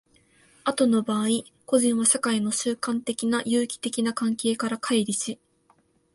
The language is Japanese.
後の場合、個人は社会の習慣的な有機的な関係から乖離し、